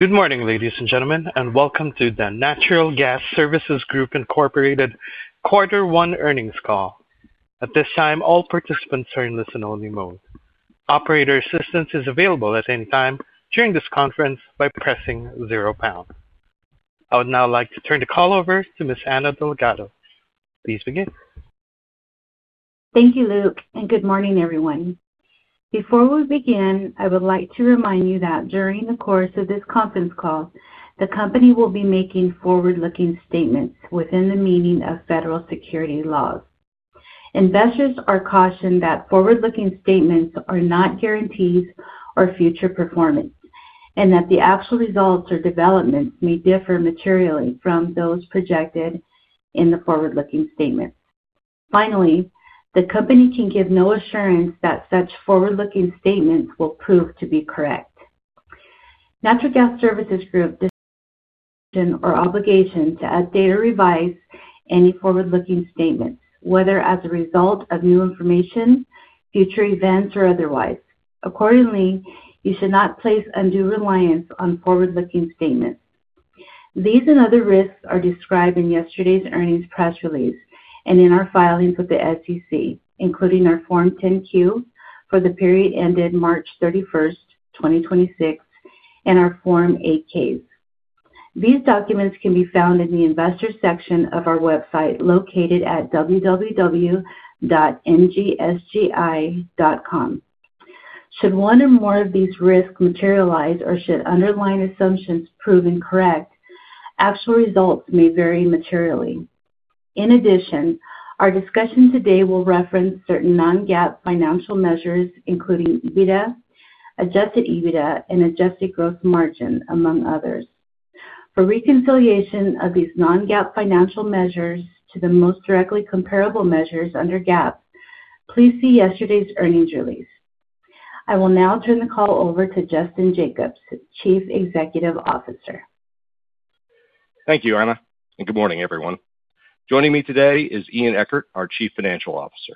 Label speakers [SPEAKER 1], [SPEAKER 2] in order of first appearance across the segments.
[SPEAKER 1] Good morning, ladies and gentlemen, and welcome to the Natural Gas Services Group, Inc. Quarter One Earnings Call. At this time, all participants are in listen only mode. Operator assistance is available at any time during this conference by pressing zero pound. I would now like to turn the call over to Miss Anna Delgado. Please begin.
[SPEAKER 2] Thank you, Luke, and good morning, everyone. Before we begin, I would like to remind you that during the course of this conference call, the company will be making forward-looking statements within the meaning of federal security laws. Investors are cautioned that forward-looking statements are not guarantees or future performance, and that the actual results or developments may differ materially from those projected in the forward-looking statements. Finally, the company can give no assurance that such forward-looking statements will prove to be correct. Natural Gas Services Group doesn't obligation to update or revise any forward-looking statements, whether as a result of new information, future events, or otherwise. Accordingly, you should not place undue reliance on forward-looking statements. These and other risks are described in yesterday's earnings press release and in our filings with the SEC, including our Form 10-Q for the period ended March 31, 2026, and our Form 8-K. These documents can be found in the investor section of our website located at www.ngsgi.com. Should one or more of these risks materialize or should underlying assumptions prove incorrect, actual results may vary materially. In addition, our discussion today will reference certain non-GAAP financial measures, including EBITDA, adjusted EBITDA, and adjusted gross margin, among others. For reconciliation of these non-GAAP financial measures to the most directly comparable measures under GAAP, please see yesterday's earnings release. I will now turn the call over to Justin Jacobs, Chief Executive Officer.
[SPEAKER 3] Thank you, Anna, and good morning, everyone. Joining me today is Ian Eckert, our Chief Financial Officer.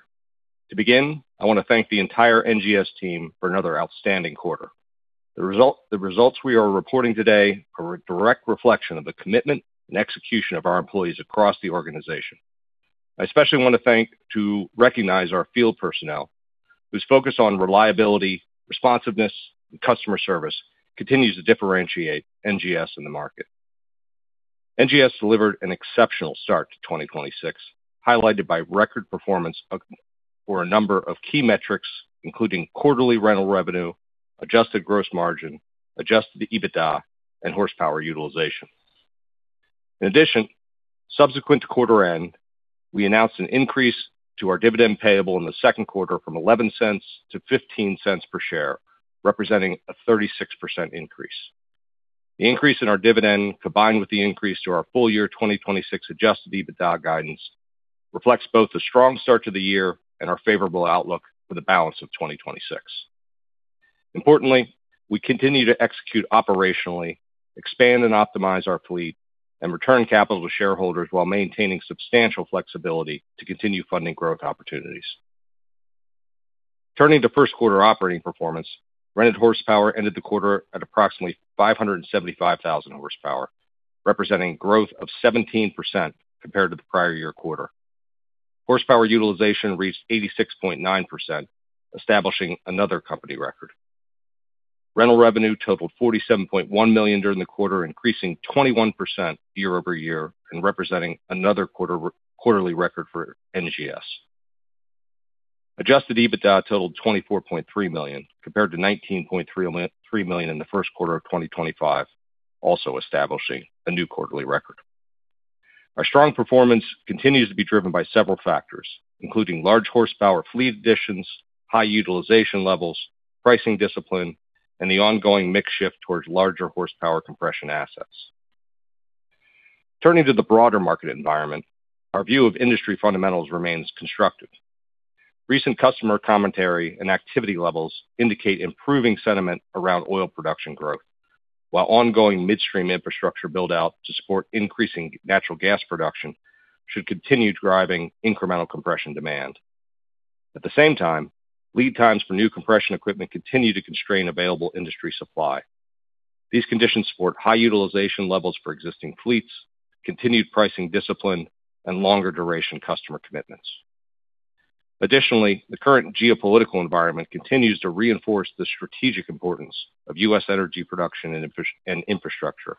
[SPEAKER 3] To begin, I wanna thank the entire NGS team for another outstanding quarter. The results we are reporting today are a direct reflection of the commitment and execution of our employees across the organization. I especially want to thank to recognize our field personnel, whose focus on reliability, responsiveness, and customer service continues to differentiate NGS in the market. NGS delivered an exceptional start to 2026, highlighted by record performance for a number of key metrics, including quarterly rental revenue, adjusted gross margin, adjusted EBITDA, and horsepower utilization. In addition, subsequent to quarter end, we announced an increase to our dividend payable in the second quarter from $0.11 to $0.15 per share, representing a 36% increase. The increase in our dividend, combined with the increase to our full year 2026 adjusted EBITDA guidance, reflects both the strong start to the year and our favorable outlook for the balance of 2026. Importantly, we continue to execute operationally, expand and optimize our fleet, and return capital to shareholders while maintaining substantial flexibility to continue funding growth opportunities. Turning to first quarter operating performance, rented horsepower ended the quarter at approximately 575,000 horsepower, representing growth of 17% compared to the prior year quarter. Horsepower utilization reached 86.9%, establishing another company record. Rental revenue totaled $47.1 million during the quarter, increasing 21% year-over-year and representing another quarterly record for NGS. Adjusted EBITDA totaled $24.3 million compared to $19.3 million in the first quarter of 2025, also establishing a new quarterly record. Our strong performance continues to be driven by several factors, including large horsepower fleet additions, high utilization levels, pricing discipline, and the ongoing mix shift towards larger horsepower compression assets. Turning to the broader market environment, our view of industry fundamentals remains constructive. Recent customer commentary and activity levels indicate improving sentiment around oil production growth, while ongoing midstream infrastructure build-out to support increasing natural gas production should continue driving incremental compression demand. At the same time, lead times for new compression equipment continue to constrain available industry supply. These conditions support high utilization levels for existing fleets, continued pricing discipline, and longer duration customer commitments. Additionally, the current geopolitical environment continues to reinforce the strategic importance of U.S. energy production and infrastructure,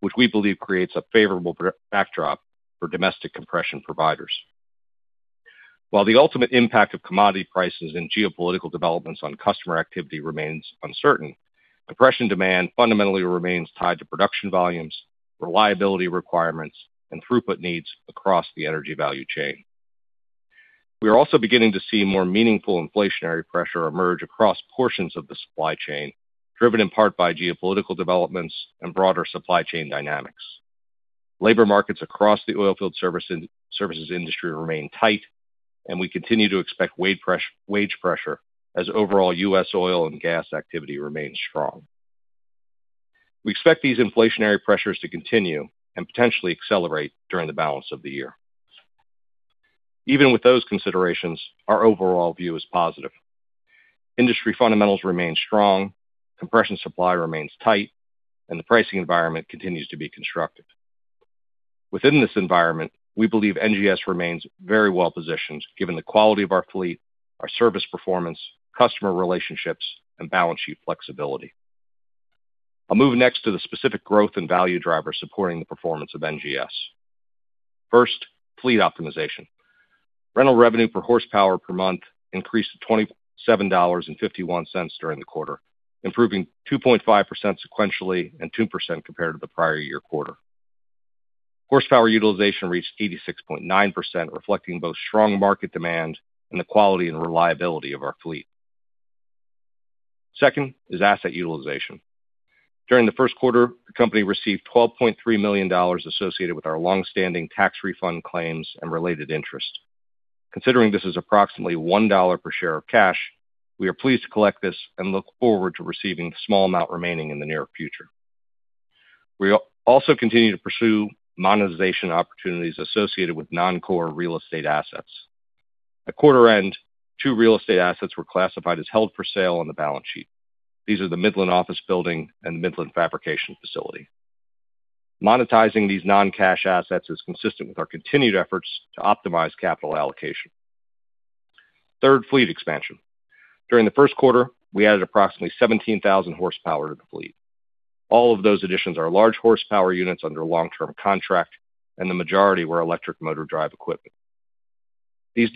[SPEAKER 3] which we believe creates a favorable backdrop for domestic compression providers. While the ultimate impact of commodity prices and geopolitical developments on customer activity remains uncertain, compression demand fundamentally remains tied to production volumes, reliability requirements, and throughput needs across the energy value chain. We are also beginning to see more meaningful inflationary pressure emerge across portions of the supply chain, driven in part by geopolitical developments and broader supply chain dynamics. Labor markets across the oilfield services industry remain tight, and we continue to expect wage pressure as overall U.S. oil and gas activity remains strong. We expect these inflationary pressures to continue and potentially accelerate during the balance of the year. Even with those considerations, our overall view is positive. Industry fundamentals remain strong, compression supply remains tight, and the pricing environment continues to be constructive. Within this environment, we believe NGS remains very well-positioned given the quality of our fleet, our service performance, customer relationships and balance sheet flexibility. I'll move next to the specific growth and value drivers supporting the performance of NGS. First, fleet optimization. Rental revenue per horsepower per month increased to $27.51 during the quarter, improving 2.5% sequentially and 2% compared to the prior year quarter. Horsepower utilization reached 86.9%, reflecting both strong market demand and the quality and reliability of our fleet. Second is asset utilization. During the first quarter, the company received $12.3 million associated with our long-standing tax refund claims and related interest. Considering this is approximately $1 per share of cash, we are pleased to collect this and look forward to receiving the small amount remaining in the near future. We also continue to pursue monetization opportunities associated with non-core real estate assets. At quarter end, two real estate assets were classified as held for sale on the balance sheet. These are the Midland office building and the Midland fabrication facility. Monetizing these non-cash assets is consistent with our continued efforts to optimize capital allocation. Third, fleet expansion. During the first quarter, we added approximately 17,000 horsepower to the fleet. All of those additions are large horsepower units under long-term contract. The majority were electric motor drive equipment. These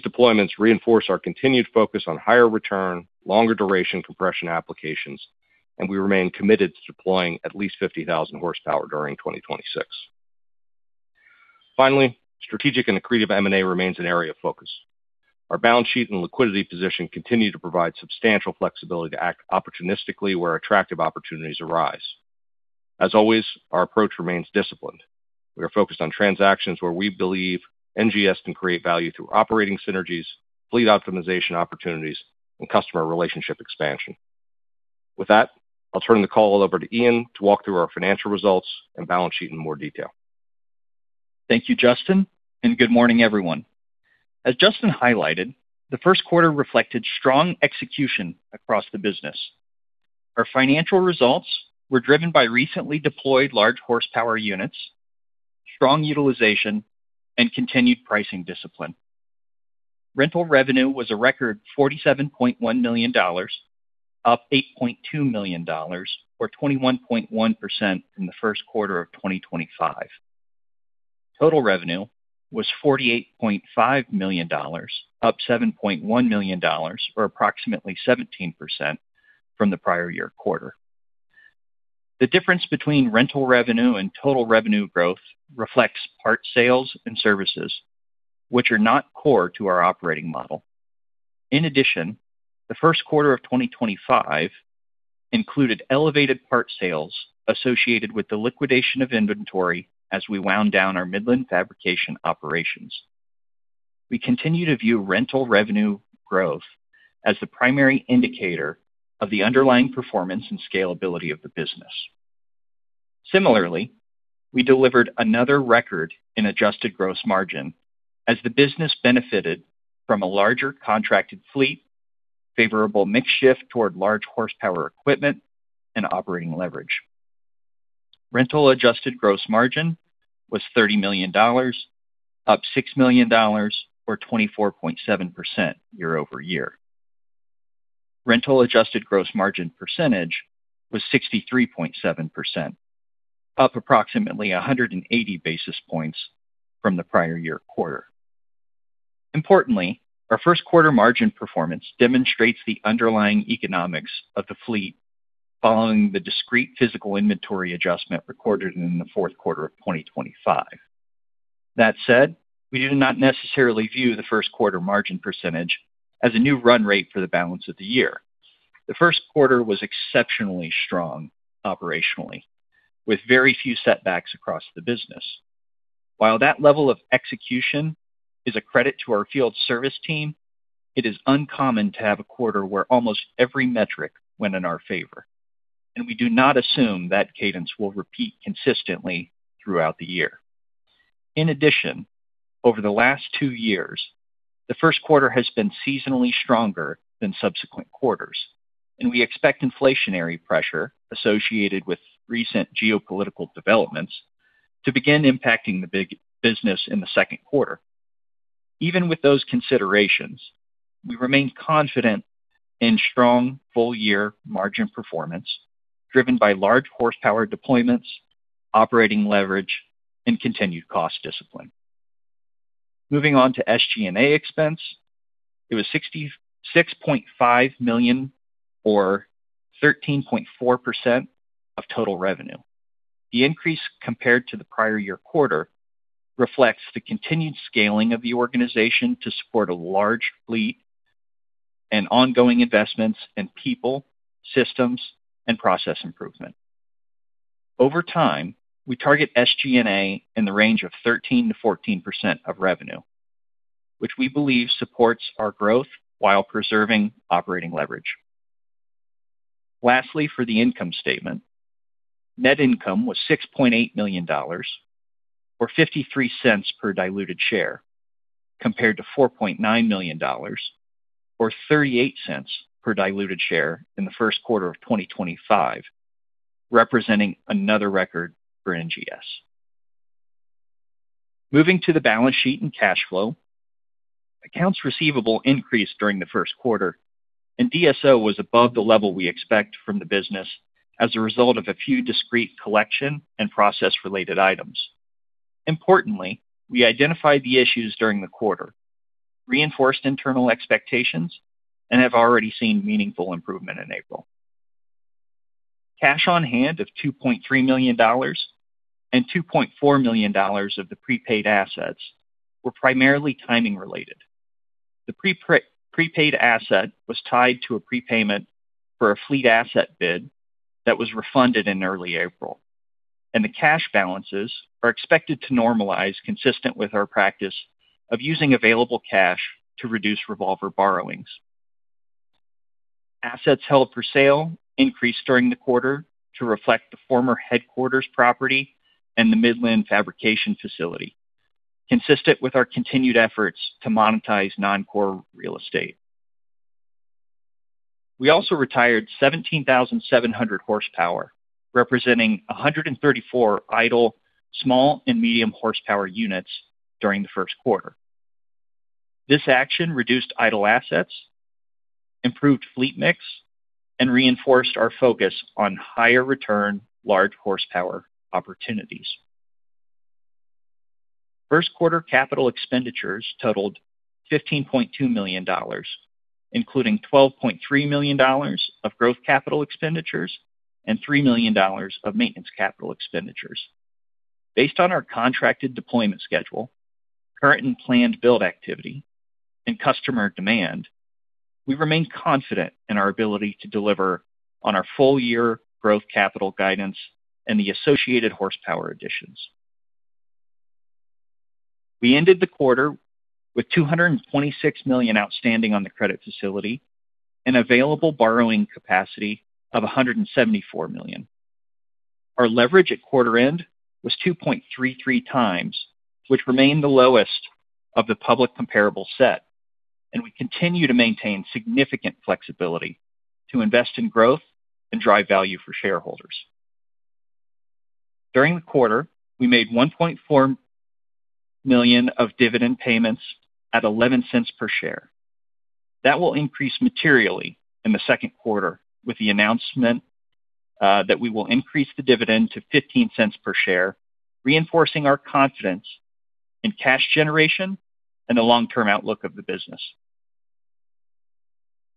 [SPEAKER 3] deployments reinforce our continued focus on higher return, longer duration compression applications, and we remain committed to deploying at least 50,000 horsepower during 2026. Finally, strategic and accretive M&A remains an area of focus. Our balance sheet and liquidity position continue to provide substantial flexibility to act opportunistically where attractive opportunities arise. As always, our approach remains disciplined. We are focused on transactions where we believe NGS can create value through operating synergies, fleet optimization opportunities and customer relationship expansion. With that, I'll turn the call over to Ian to walk through our financial results and balance sheet in more detail.
[SPEAKER 4] Thank you, Justin, and good morning, everyone. As Justin highlighted, the first quarter reflected strong execution across the business. Our financial results were driven by recently deployed large horsepower units, strong utilization and continued pricing discipline. Rental revenue was a record $47.1 million, up $8.2 million or 21.1% from the first quarter of 2025. Total revenue was $48.5 million, up $7.1 million or approximately 17% from the prior year quarter. The difference between rental revenue and total revenue growth reflects part sales and services, which are not core to our operating model. In addition, the first quarter of 2025 included elevated part sales associated with the liquidation of inventory as we wound down our Midland fabrication operations. We continue to view rental revenue growth as the primary indicator of the underlying performance and scalability of the business. Similarly, we delivered another record in adjusted gross margin as the business benefited from a larger contracted fleet, favorable mix shift toward large horsepower equipment and operating leverage. Rental adjusted gross margin was $30 million, up $6 million or 24.7% year-over-year. Rental adjusted gross margin percentage was 63.7%, up approximately 180 basis points from the prior year quarter. Importantly, our first quarter margin performance demonstrates the underlying economics of the fleet following the discrete physical inventory adjustment recorded in the fourth quarter of 2025. That said, we do not necessarily view the first quarter margin percentage as a new run rate for the balance of the year. The first quarter was exceptionally strong operationally, with very few setbacks across the business. While that level of execution is a credit to our field service team, it is uncommon to have a quarter where almost every metric went in our favor, and we do not assume that cadence will repeat consistently throughout the year. In addition, over the last 2 years, the first quarter has been seasonally stronger than subsequent quarters, and we expect inflationary pressure associated with recent geopolitical developments to begin impacting the business in the second quarter. Even with those considerations, we remain confident in strong full year margin performance driven by large horsepower deployments, operating leverage and continued cost discipline. Moving on to SG&A expense, it was $66.5 million or 13.4% of total revenue. The increase compared to the prior year quarter reflects the continued scaling of the organization to support a large fleet and ongoing investments in people, systems and process improvement. Over time, we target SG&A in the range of 13%-14% of revenue, which we believe supports our growth while preserving operating leverage. Lastly, for the income statement, net income was $6.8 million or $0.53 per diluted share, compared to $4.9 million or $0.38 per diluted share in the first quarter of 2025, representing another record for NGS. Moving to the balance sheet and cash flow. Accounts receivable increased during the first quarter and DSO was above the level we expect from the business as a result of a few discrete collection and process-related items. Importantly, we identified the issues during the quarter, reinforced internal expectations, and have already seen meaningful improvement in April. Cash on hand of $2.3 million and $2.4 million of the prepaid assets were primarily timing-related. The prepaid asset was tied to a prepayment for a fleet asset bid that was refunded in early April, and the cash balances are expected to normalize consistent with our practice of using available cash to reduce revolver borrowings. Assets held for sale increased during the quarter to reflect the former headquarters property and the Midland fabrication facility, consistent with our continued efforts to monetize non-core real estate. We also retired 17,700 horsepower, representing 134 idle small and medium horsepower units during the first quarter. This action reduced idle assets, improved fleet mix, and reinforced our focus on higher return large horsepower opportunities. First quarter capital expenditures totaled $15.2 million, including $12.3 million of growth capital expenditures and $3 million of maintenance capital expenditures. Based on our contracted deployment schedule, current and planned build activity and customer demand, we remain confident in our ability to deliver on our full year growth capital guidance and the associated horsepower additions. We ended the quarter with $226 million outstanding on the credit facility and available borrowing capacity of $174 million. Our leverage at quarter end was 2.33x which remained the lowest of the public comparable set, and we continue to maintain significant flexibility to invest in growth and drive value for shareholders. During the quarter, we made $1.4 million of dividend payments at $0.11 per share. That will increase materially in the second quarter with the announcement that we will increase the dividend to $0.15 per share, reinforcing our confidence in cash generation and the long-term outlook of the business.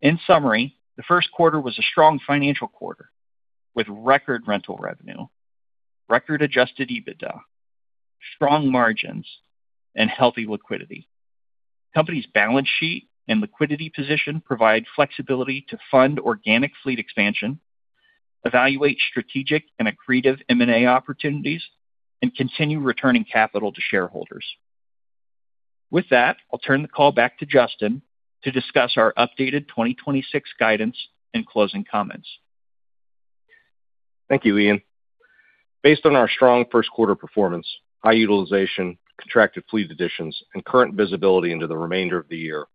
[SPEAKER 4] In summary, the first quarter was a strong financial quarter with record rental revenue, record adjusted EBITDA, strong margins, and healthy liquidity. Company's balance sheet and liquidity position provide flexibility to fund organic fleet expansion, evaluate strategic and accretive M&A opportunities, and continue returning capital to shareholders. With that I'll turn the call back to Justin to discuss our updated 2026 guidance and closing comments.
[SPEAKER 3] Thank you, Ian. Based on our strong first quarter performance, high utilization, contracted fleet additions and current visibility into the remainder of the year,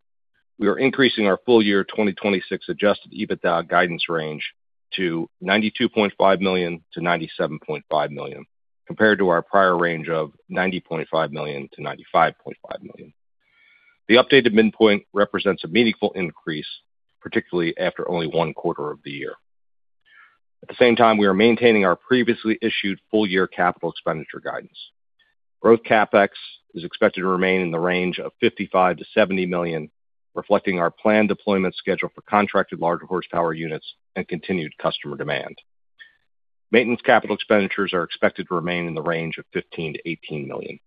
[SPEAKER 3] we are increasing our full year 2026 adjusted EBITDA guidance range to $92.5 million-$97.5 million, compared to our prior range of $90.5 million-$95.5 million. The updated midpoint represents a meaningful increase, particularly after only one quarter of the year. At the same time, we are maintaining our previously issued full year capital expenditure guidance. Growth CapEx is expected to remain in the range of $55 million-$70 million, reflecting our planned deployment schedule for contracted large horsepower units and continued customer demand. Maintenance capital expenditures are expected to remain in the range of $15 million-$18 million.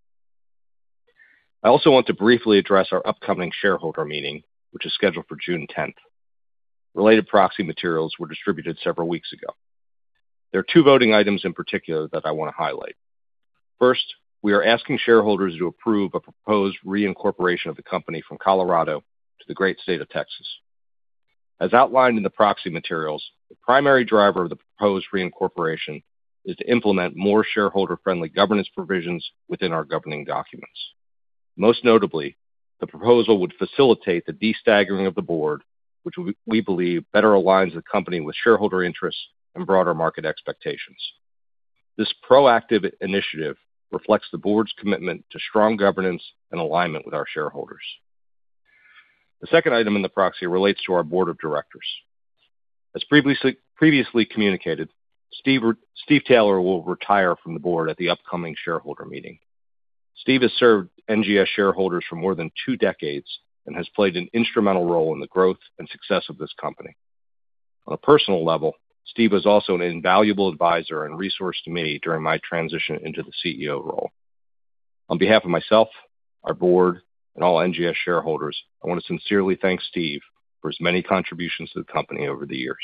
[SPEAKER 3] I also want to briefly address our upcoming shareholder meeting, which is scheduled for June 10. Related proxy materials were distributed several weeks ago. There are two voting items in particular that I want to highlight. We are asking shareholders to approve a proposed reincorporation of the company from Colorado to the great state of Texas. As outlined in the proxy materials, the primary driver of the proposed reincorporation is to implement more shareholder-friendly governance provisions within our governing documents. Most notably, the proposal would facilitate the de-staggering of the board, which we believe better aligns the company with shareholder interests and broader market expectations. This proactive initiative reflects the board's commitment to strong governance and alignment with our shareholders. The second item in the proxy relates to our board of directors. As previously communicated, Steve Taylor will retire from the board at the upcoming shareholder meeting. Steve has served NGS shareholders for more than two decades and has played an instrumental role in the growth and success of this company. On a personal level, Steve was also an invaluable advisor and resource to me during my transition into the CEO role. On behalf of myself, our board, and all NGS shareholders, I want to sincerely thank Steve for his many contributions to the company over the years.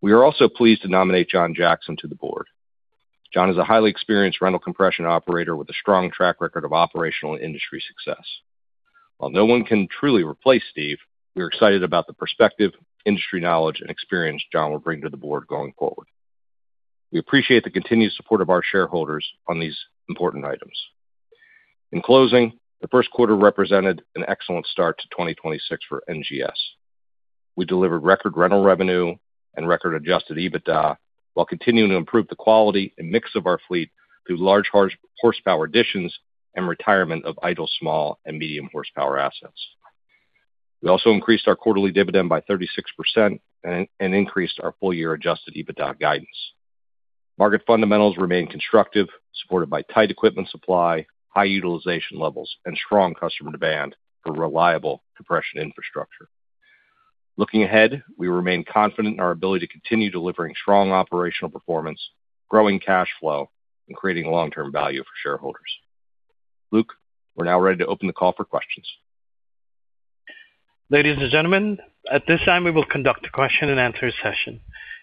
[SPEAKER 3] We are also pleased to nominate John Jackson to the board. John is a highly experienced rental compression operator with a strong track record of operational and industry success. While no one can truly replace Steve, we are excited about the perspective, industry knowledge, and experience John will bring to the board going forward. We appreciate the continued support of our shareholders on these important items. In closing, the first quarter represented an excellent start to 2026 for NGS. We delivered record rental revenue and record adjusted EBITDA while continuing to improve the quality and mix of our fleet through large horsepower additions and retirement of idle small and medium horsepower assets. We also increased our quarterly dividend by 36% and increased our full year adjusted EBITDA guidance. Market fundamentals remain constructive, supported by tight equipment supply, high utilization levels, and strong customer demand for reliable compression infrastructure. Looking ahead, we remain confident in our ability to continue delivering strong operational performance, growing cash flow, and creating long-term value for shareholders. Luke, we're now ready to open the call for questions.
[SPEAKER 1] Ladies and gentlemen, at this time, we will conduct a question-and-answer session.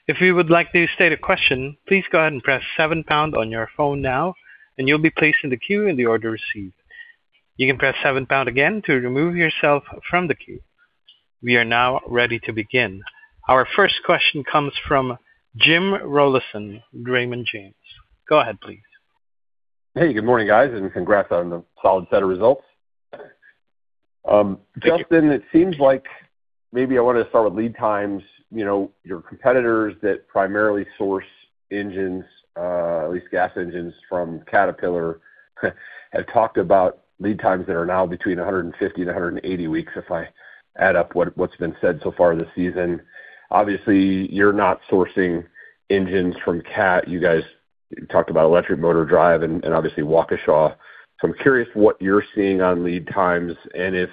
[SPEAKER 1] If you would like to state a question, please go ahead and press seven pound on your phone now and you'll be placed in the queue in the order received. You can press seven pound again to remove yourself from the queue. We are now ready to begin. Our first question comes from Jim Rollyson, Raymond James. Go ahead, please.
[SPEAKER 5] Hey, good morning, guys, and congrats on the solid set of results.
[SPEAKER 3] Thank you.
[SPEAKER 5] Justin, it seems like maybe I want to start with lead times. You know, your competitors that primarily source engines, at least gas engines from Caterpillar, have talked about lead times that are now between 150-180 weeks, if I add up what's been said so far this season. Obviously, you're not sourcing engines from Cat. You guys talked about electric motor drive and obviously Waukesha. I'm curious what you're seeing on lead times and if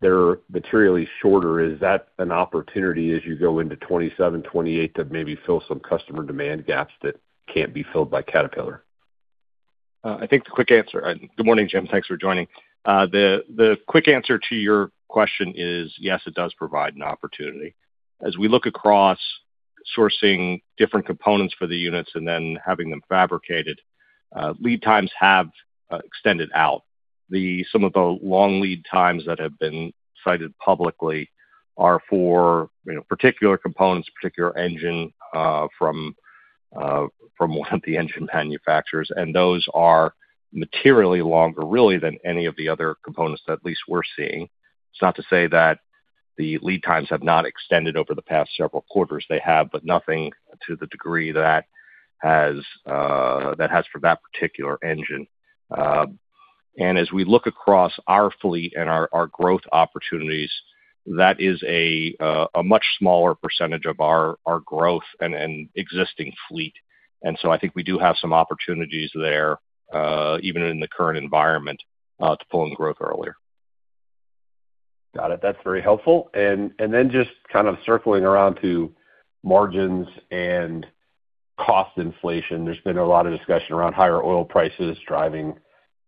[SPEAKER 5] they're materially shorter. Is that an opportunity as you go into 2027, 2028 to maybe fill some customer demand gaps that can't be filled by Caterpillar?
[SPEAKER 3] I think the quick answer, good morning, Jim Rollyson. Thanks for joining. The quick answer to your question is yes, it does provide an opportunity. As we look across sourcing different components for the units and then having them fabricated, lead times have extended out. Some of the long lead times that have been cited publicly are for, you know, particular components, particular engine from one of the engine manufacturers, and those are materially longer, really, than any of the other components that at least we're seeing. It's not to say that the lead times have not extended over the past several quarters. They have, but nothing to the degree that has for that particular engine. As we look across our fleet and our growth opportunities, that is a much smaller percentage of our growth and existing fleet. I think we do have some opportunities there, even in the current environment, to pull in the growth earlier.
[SPEAKER 5] Got it. That's very helpful. Then just kind of circling around to margins and cost inflation. There's been a lot of discussion around higher oil prices driving,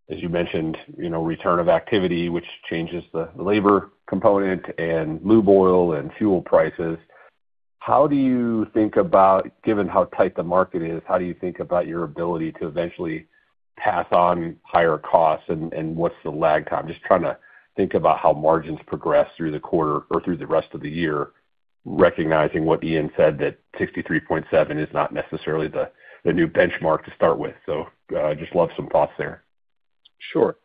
[SPEAKER 5] as you mentioned, you know, return of activity, which changes the labor component and lube oil and fuel prices. How do you think about, given how tight the market is, how do you think about your ability to eventually pass on higher costs? What's the lag time? Just trying to think about how margins progress through the quarter or through the rest of the year, recognizing what Ian said that 63.7% is not necessarily the new benchmark to start with. Just love some thoughts there.
[SPEAKER 3] Sure.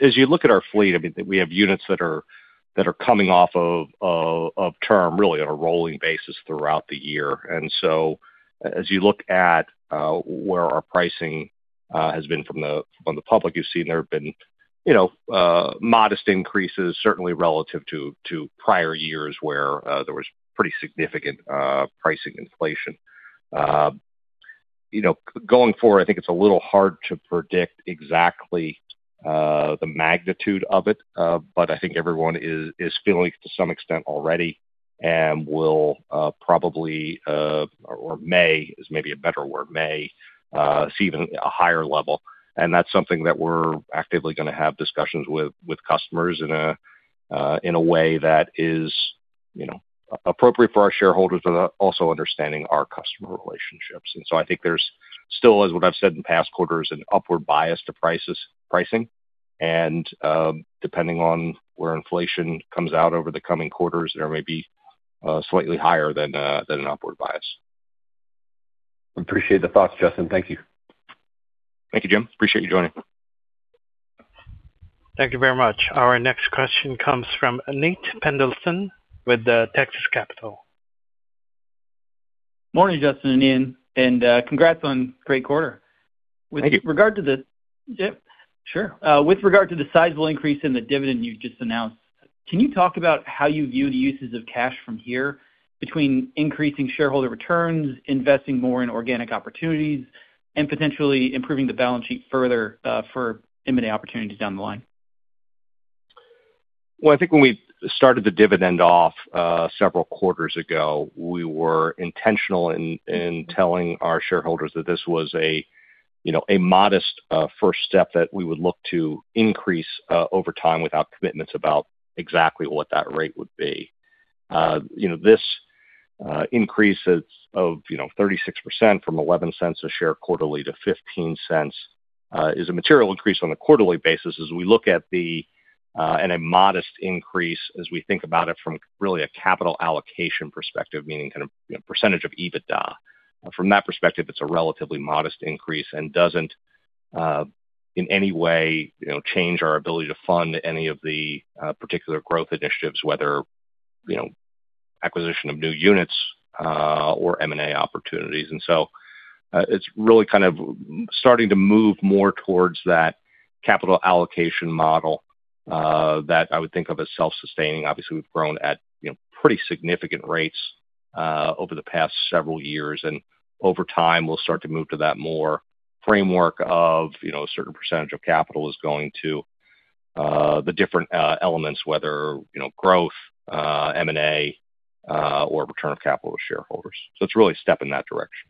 [SPEAKER 3] As you look at our fleet, I mean, we have units that are coming off of term, really on a rolling basis throughout the year. As you look at where our pricing has been from the public, you've seen there have been, you know, modest increases certainly relative to prior years where there was pretty significant pricing inflation. You know, going forward, I think it's a little hard to predict exactly the magnitude of it. But I think everyone is feeling it to some extent already and will probably, or is maybe a better word, may see even a higher level. That's something that we're actively going to have discussions with customers in a way that is, you know, appropriate for our shareholders, but also understanding our customer relationships. I think there's still, as what I've said in past quarters, an upward bias to pricing. Depending on where inflation comes out over the coming quarters, there may be slightly higher than an upward bias.
[SPEAKER 5] Appreciate the thoughts, Justin. Thank you.
[SPEAKER 3] Thank you, Jim. Appreciate you joining.
[SPEAKER 1] Thank you very much. Our next question comes from Nathaniel Pendleton with Texas Capital.
[SPEAKER 6] Morning, Justin and Ian, congrats on great quarter.
[SPEAKER 3] Thank you.
[SPEAKER 6] With regard to the yeah, sure. With regard to the sizable increase in the dividend you just announced, can you talk about how you view the uses of cash from here between increasing shareholder returns, investing more in organic opportunities, and potentially improving the balance sheet further, for M&A opportunities down the line?
[SPEAKER 3] I think when we started the dividend off, several quarters ago, we were intentional in telling our shareholders that this was, you know, a modest, first step that we would look to increase over time without commitments about exactly what that rate would be. This increase is of, you know, 36% from $0.11 a share quarterly to $0.15, is a material increase on a quarterly basis as we look at the, and a modest increase as we think about it from really a capital allocation perspective, meaning kind of, you know, percentage of EBITDA. From that perspective, it's a relatively modest increase and doesn't, in any way, you know, change our ability to fund any of the particular growth initiatives, whether, you know, acquisition of new units, or M&A opportunities. It's really kind of starting to move more towards that capital allocation model, that I would think of as self-sustaining. Obviously, we've grown at, you know, pretty significant rates over the past several years. Over time, we'll start to move to that more framework of, you know, a certain percentage of capital is going to the different elements, whether, you know, growth, M&A, or return of capital to shareholders. It's really a step in that direction.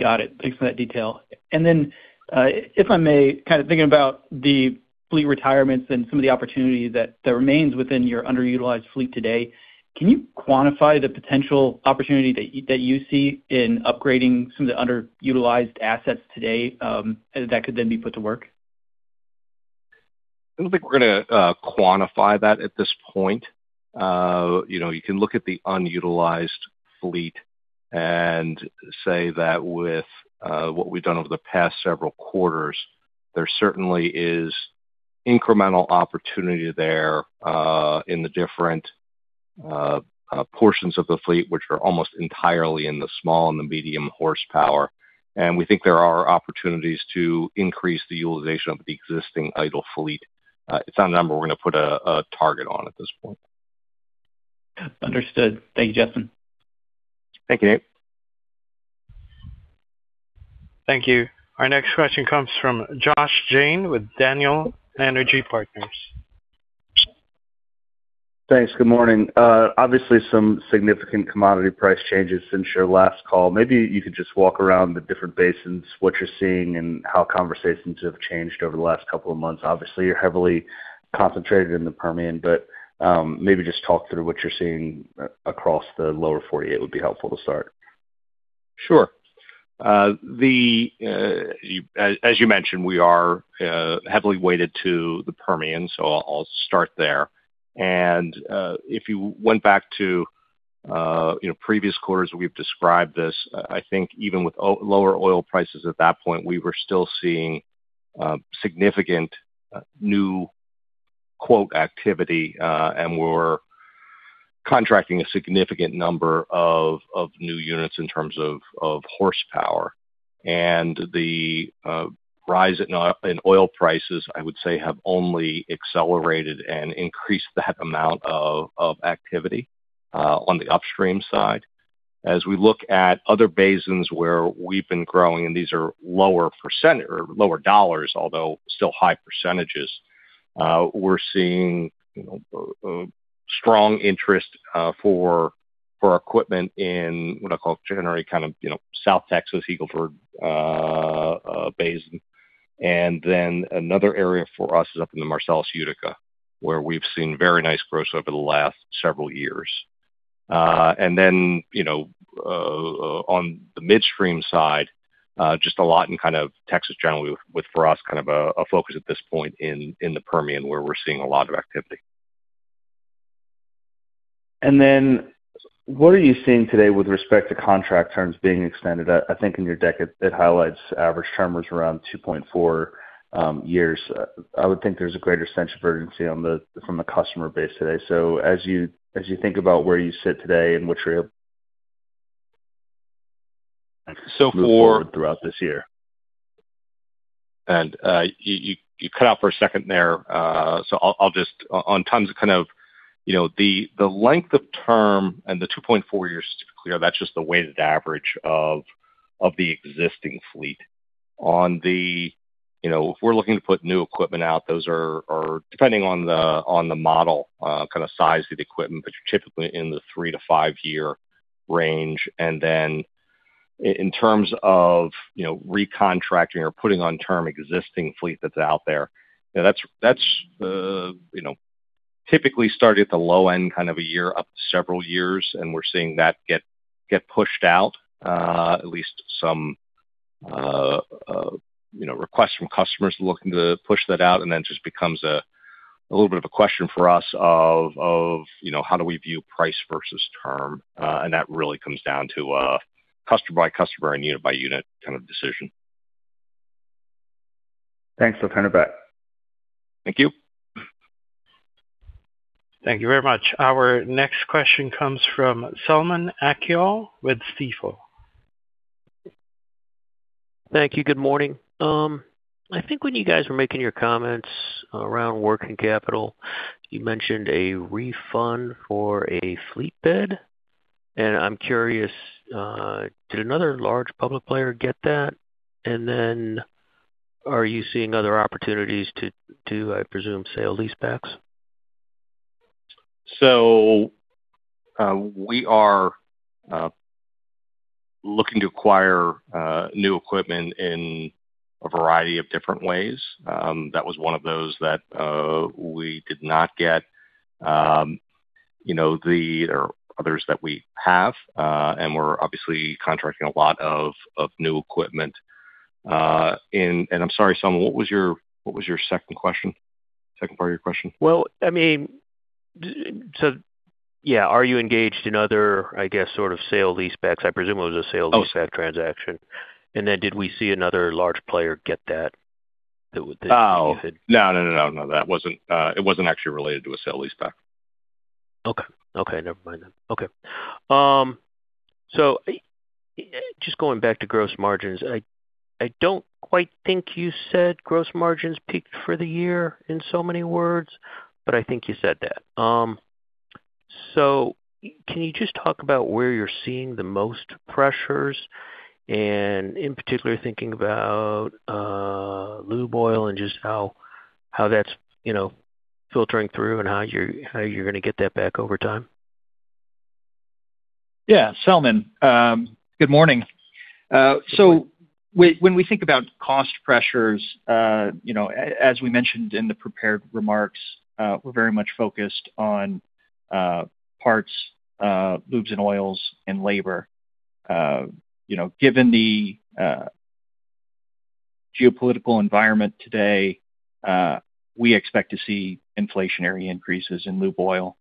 [SPEAKER 6] Got it. Thanks for that detail. If I may, kind of thinking about the fleet retirements and some of the opportunities that remains within your underutilized fleet today, can you quantify the potential opportunity that you see in upgrading some of the underutilized assets today, that could then be put to work?
[SPEAKER 3] I don't think we're gonna quantify that at this point. You know, you can look at the unutilized fleet and say that with what we've done over the past several quarters, there certainly is incremental opportunity there in the different portions of the fleet, which are almost entirely in the small and the medium horsepower. We think there are opportunities to increase the utilization of the existing idle fleet. It's not a number we're gonna put a target on at this point.
[SPEAKER 6] Understood. Thank you, Justin.
[SPEAKER 3] Thank you, Nate.
[SPEAKER 1] Thank you. Our next question comes from Josh Jayne with Daniel Energy Partners.
[SPEAKER 7] Thanks. Good morning. Obviously some significant commodity price changes since your last call. Maybe you could just walk around the different basins, what you're seeing and how conversations have changed over the last couple of months? Obviously, you're heavily concentrated in the Permian, but maybe just talk through what you're seeing across the lower 48 would be helpful to start?
[SPEAKER 3] Sure. As you mentioned, we are heavily weighted to the Permian, so I'll start there. If you went back to, you know, previous quarters, we've described this, I think even with lower oil prices at that point, we were still seeing significant new quote activity, and we're contracting a significant number of new units in terms of horsepower. The rise in oil prices, I would say, have only accelerated and increased the amount of activity on the upstream side. As we look at other basins where we've been growing, and these are lower percentage or lower dollars, although still high percentages, we're seeing, you know, strong interest for our equipment in what I call generally kind of, you know, South Texas Eagle Ford basin. Then another area for us is up in the Marcellus Utica, where we've seen very nice growth over the last several years. Then, you know, on the midstream side, just a lot in kind of Texas generally with for us, kind of a focus at this point in the Permian, where we're seeing a lot of activity.
[SPEAKER 7] What are you seeing today with respect to contract terms being extended? I think in your deck it highlights average term was around 2.4 years. I would think there's a greater sense of urgency from the customer base today. As you think about where you sit today and what you're.
[SPEAKER 3] So for..
[SPEAKER 7] Move forward throughout this year.
[SPEAKER 3] You cut out for a second there. I'll just on terms of kind of, you know, the length of term and the 2.4 years, just to be clear, that's just the weighted average of the existing fleet. On the you know, if we're looking to put new equipment out, those are depending on the model, kind of size of the equipment, but you're typically in the 3 years to 5-year range. Then in terms of, you know, recontracting or putting on term existing fleet that's out there, you know, that's, you know, typically start at the low end, kind of a year up to several years, and we're seeing that get pushed out. At least some, you know, requests from customers looking to push that out, and then just becomes a little bit of a question for us of, you know, how do we view price versus term. That really comes down to a customer by customer and unit by unit kind of decision.
[SPEAKER 7] Thanks. I'll turn it back.
[SPEAKER 3] Thank you.
[SPEAKER 1] Thank you very much. Our next question comes from Selman Akyol with Stifel.
[SPEAKER 8] Thank you. Good morning. I think when you guys were making your comments around working capital, you mentioned a refund for a fleet bid. I'm curious, did another large public player get that? Are you seeing other opportunities to, I presume, sale leasebacks?
[SPEAKER 3] We are looking to acquire new equipment in a variety of different ways. That was one of those that we did not get. You know, There are others that we have, and we're obviously contracting a lot of new equipment. I'm sorry, Selman, what was your, what was your second question? Second part of your question?
[SPEAKER 8] Well, I mean, yeah. Are you engaged in other, I guess, sort of sale-leasebacks? I presume it was a sale-leaseback transaction. Did we see another large player get that?
[SPEAKER 3] Oh, no, no, no. That wasn't, it wasn't actually related to a sale-leaseback.
[SPEAKER 8] Okay. Okay, never mind then. Okay. Just going back to gross margins. I don't quite think you said gross margins peaked for the year in so many words, but I think you said that. Can you just talk about where you're seeing the most pressures and in particular thinking about lube oil and just how that's, you know, filtering through and how you're gonna get that back over time?
[SPEAKER 4] Yeah, Selman, good morning. When we think about cost pressures, you know, as we mentioned in the prepared remarks, we're very much focused on parts, lubes and oils and labor. You know, given the geopolitical environment today, we expect to see inflationary increases in lube oil,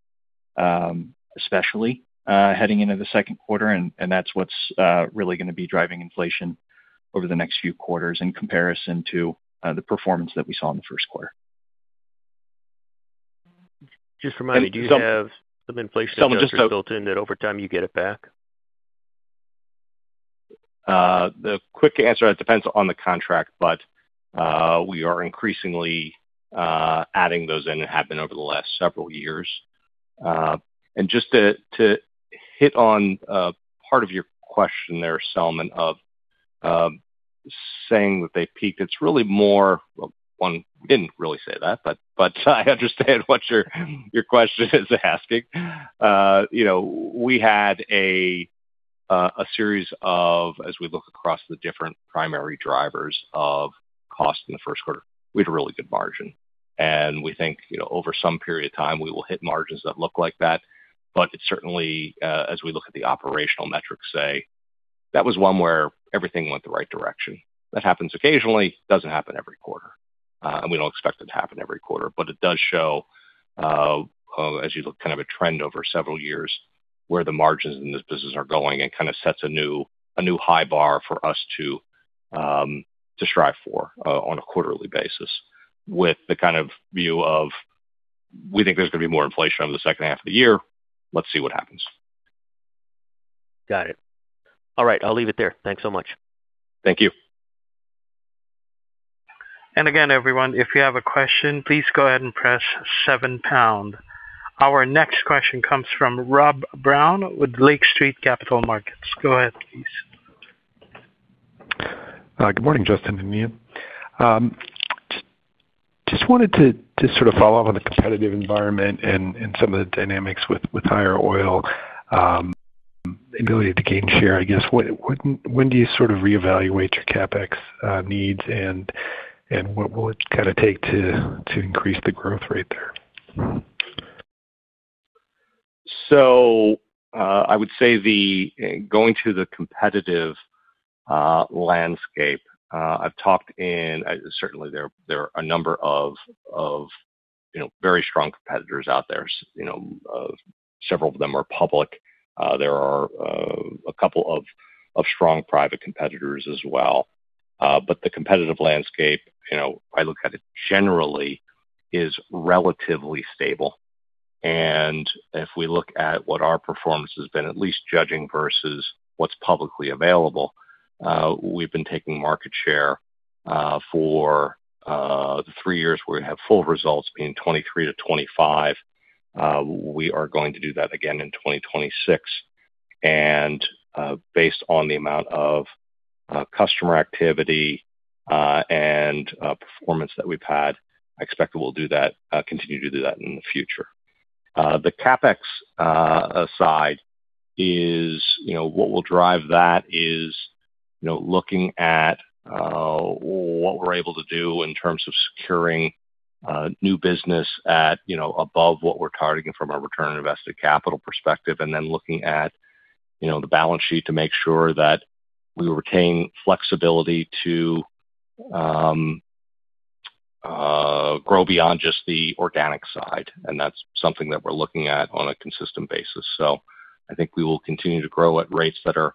[SPEAKER 4] especially heading into the second quarter, and that's what's really gonna be driving inflation over the next few quarters in comparison to the performance that we saw in the first quarter.
[SPEAKER 8] Just remind me, do you have some inflation adjusters built in that over time you get it back?
[SPEAKER 3] The quick answer, that depends on the contract, but we are increasingly adding those in and have been over the last several years. Just to hit on part of your question there, Selman, of saying that they peaked. It's really more. Well, one didn't really say that, but I understand what your question is asking. You know, we had a series of as we look across the different primary drivers of cost in the first quarter. We had a really good margin. We think, you know, over some period of time we will hit margins that look like that. It certainly, as we look at the operational metrics, say, that was one where everything went the right direction. That happens occasionally, doesn't happen every quarter. We don't expect it to happen every quarter. It does show, as you look kind of a trend over several years, where the margins in this business are going and kind of sets a new, a new high bar for us to strive for on a quarterly basis with the kind of view of we think there's gonna be more inflation over the second half of the year. Let's see what happens.
[SPEAKER 8] Got it. All right, I'll leave it there. Thanks so much.
[SPEAKER 3] Thank you.
[SPEAKER 1] Again, everyone, if you have a question, please go ahead and press seven pound. Our next question comes from Rob Brown with Lake Street Capital Markets. Go ahead, please.
[SPEAKER 9] Good morning, Justin and Ian. Just wanted to sort of follow up on the competitive environment and some of the dynamics with higher oil, ability to gain share, I guess. When do you sort of reevaluate your CapEx needs and what will it kinda take to increase the growth rate there?
[SPEAKER 3] I would say going to the competitive landscape, I've talked and certainly there are a number of, you know, very strong competitors out there. You know, several of them are public. There are a couple of strong private competitors as well. The competitive landscape, you know, I look at it generally is relatively stable. If we look at what our performance has been, at least judging versus what's publicly available, we've been taking market share for the 3 years we're gonna have full results being 2023 to 2025. We are going to do that again in 2026. Based on the amount of customer activity and performance that we've had, I expect that we'll do that, continue to do that in the future. The CapEx side is, you know, what will drive that is, you know, looking at what we're able to do in terms of securing new business at, you know, above what we're targeting from a return on invested capital perspective, and then looking at, you know, the balance sheet to make sure that we retain flexibility to grow beyond just the organic side. That's something that we're looking at on a consistent basis. I think we will continue to grow at rates that are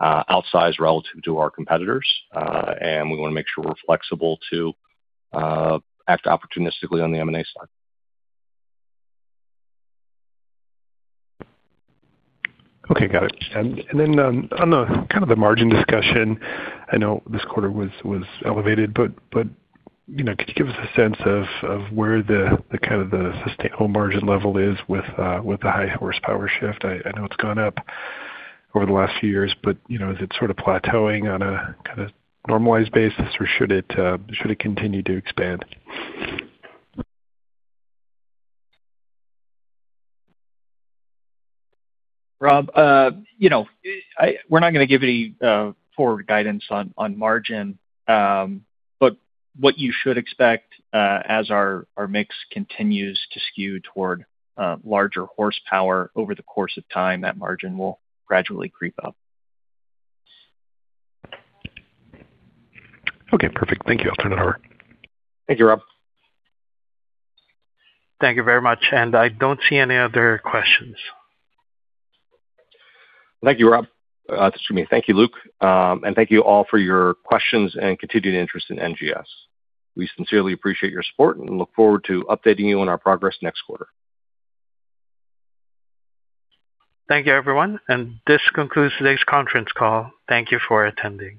[SPEAKER 3] outsized relative to our competitors, and we wanna make sure we're flexible to act opportunistically on the M&A side.
[SPEAKER 9] Okay. Got it. Then, on the kind of the margin discussion, I know this quarter was elevated, but, you know, could you give us a sense of where the kind of the whole margin level is with the high horsepower shift? I know it's gone up over the last few years, but, you know, is it sort of plateauing on a kinda normalized basis, or should it continue to expand?
[SPEAKER 4] Rob, you know, we're not gonna give any forward guidance on margin. What you should expect, as our mix continues to skew toward larger horsepower over the course of time, that margin will gradually creep up.
[SPEAKER 9] Okay, perfect. Thank you. I'll turn it over.
[SPEAKER 3] Thank you, Rob.
[SPEAKER 1] Thank you very much. I don't see any other questions.
[SPEAKER 3] Thank you, Rob. excuse me. Thank you, Luke. Thank you all for your questions and continued interest in NGS. We sincerely appreciate your support and look forward to updating you on our progress next quarter.
[SPEAKER 1] Thank you, everyone, and this concludes today's conference call. Thank you for attending.